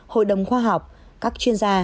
hội đồng khoa học các chuyên gia